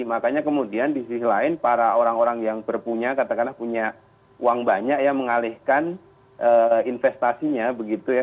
makanya kemudian di sisi lain para orang orang yang berpunya katakanlah punya uang banyak ya mengalihkan investasinya begitu ya